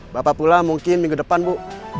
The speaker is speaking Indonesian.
bapak pula mungkin minggu depan bu